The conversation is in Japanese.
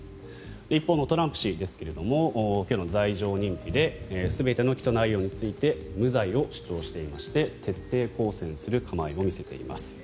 一方のトランプ氏ですが今日の罪状認否で全ての起訴内容について無罪を主張していまして徹底抗戦する構えを見せています。